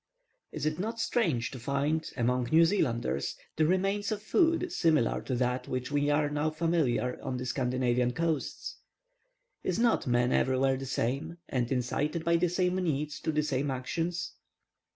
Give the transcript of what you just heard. Is it not strange to find, among the New Zealanders, the remains of food similar to that with which we are familiar on the Scandinavian coasts? Is not man everywhere the same, and incited by the same needs to the same actions?